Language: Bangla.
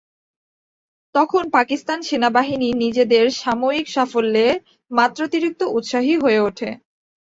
তখন পাকিস্তান সেনাবাহিনী নিজেদের সাময়িক সাফল্যে মাত্রাতিরিক্ত উৎসাহী হয়ে ওঠে।